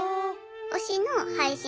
推しの配信